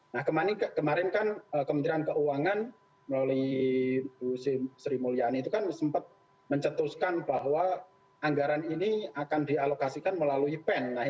nah kemarin kan kementerian keuangan melalui bu sri mulyani itu kan sempat mencetuskan bahwa anggaran ini akan dialokasikan melalui pen